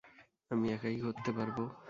আমি একাই করতে পারবো।